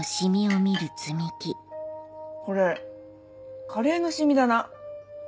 これカレーの染みだな。